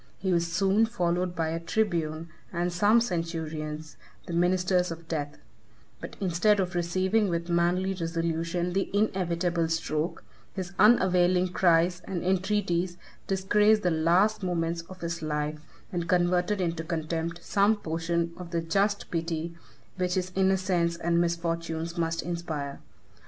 He was soon followed by a tribune and some centurions, the ministers of death; but instead of receiving with manly resolution the inevitable stroke, his unavailing cries and entreaties disgraced the last moments of his life, and converted into contempt some portion of the just pity which his innocence and misfortunes must inspire.